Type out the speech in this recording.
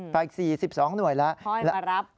ฝากอีก๔๑๒หน่วยแล้ว